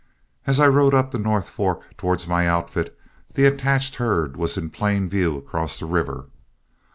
As I rode up the North Fork towards my outfit, the attached herd was in plain view across the river.